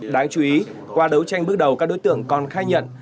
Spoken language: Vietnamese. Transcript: đáng chú ý qua đấu tranh bước đầu các đối tượng còn khai nhận